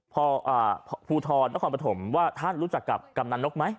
พูทรอททรความประถมว่าท่านรู้จักกับกำนัชนกไหม